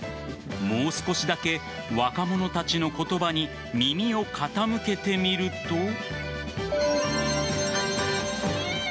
もう少しだけ若者たちの言葉に耳を傾けてみると。